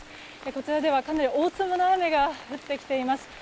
こちらでは、かなり大粒の雨が降ってきています。